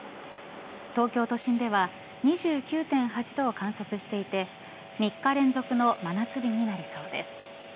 東京都心では２９．８度を観測していて３日連続の真夏日になりそうです。